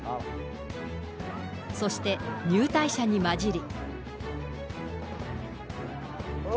そして、入隊者に交じり。